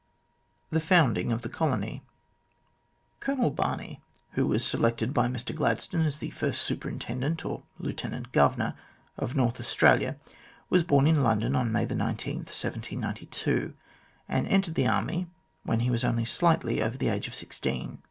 CHAPTER IV THE FOUNDING OF THE COLONY COLONEL BARNEY, who was selected by Mr Gladstone as the first Superintendent or Lieutenant Governor of North Australia, was born in London on May 19, 1792, and entered the Army when he was only slightly over the age of sixteen.